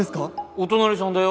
お隣さんだよ